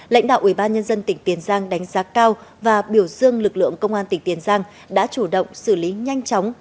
lãnh đạo ủy ban nhân dân tỉnh tiền giang đánh giá cao và biểu dương lực lượng công an tỉnh tiền giang đã chủ động xử lý nhanh chóng